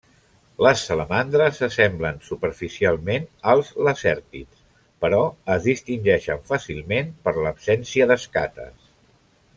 Les salamandres s'assemblen superficialment als lacèrtids, però es distingeixen fàcilment per l'absència d'escates.